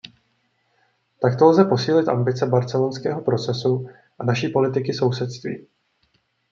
Takto lze posílit ambice barcelonského procesu a naší politiky sousedství.